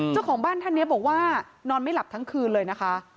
เจ้าของบ้านท่านนี้บอกว่านอนไม่หลับทั้งคืนเลยนะคะ